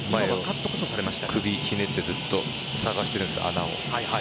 首をひねって探しているんです穴を。